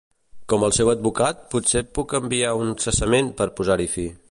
Com el seu advocat, potser puc enviar un cessament per posar-hi fi.